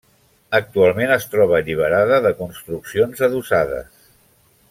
Actualment es troba alliberada de construccions adossades.